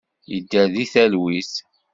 Yedder deg talwit.